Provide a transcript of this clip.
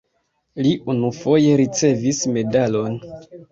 Li unufoje ricevis medalon.